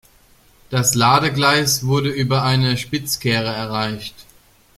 Das Ladegleis wurde über eine Spitzkehre erreicht.